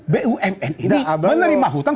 bumn ini menerima hutang